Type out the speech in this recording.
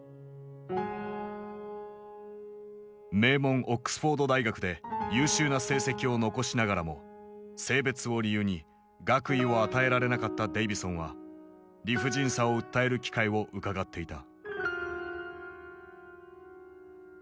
名門オックスフォード大学で優秀な成績を残しながらも性別を理由に学位を与えられなかったデイヴィソンは理不尽さを訴える機会をうかがっていた。